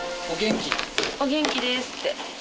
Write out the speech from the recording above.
お元気ですって。